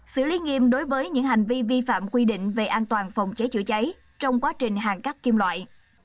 xử lý nghiêm đối với những hành vi vi phạm quy định về an toàn phòng cháy chữa cháy trong quá trình hàn cắt kim loại